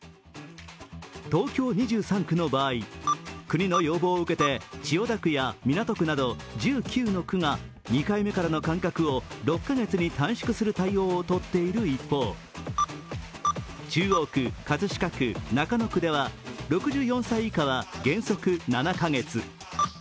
東京２３区の場合、国の要望を受けて千代田区や港区など１９の区が２回目からの間隔を６カ月に短縮する対応をとっている一方、中央区、葛飾区、中野区では６４歳以下は原則７カ月。